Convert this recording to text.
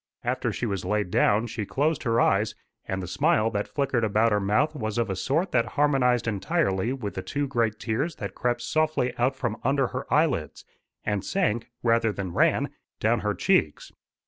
After she was laid down she closed her eyes, and the smile that flickered about her mouth was of a sort that harmonised entirely with the two great tears that crept softly out from under her eyelids, and sank, rather than ran, down her cheeks.